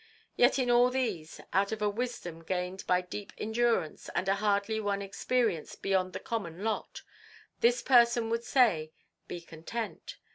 Yet in all these, out of a wisdom gained by deep endurance and a hardly won experience beyond the common lot, this person would say, Be content.